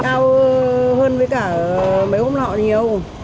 cao hơn với cả mấy hôm lọ nhiều